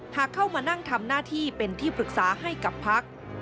หากเข้ามานั่งทำหน้าที่เป็นที่ปรึกษาให้กับพัก